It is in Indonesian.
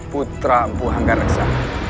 putra empu hangga reksa